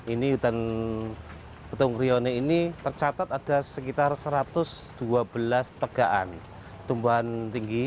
ini hutan petung rioni ini tercatat ada sekitar satu ratus dua belas tegaan tumbuhan tinggi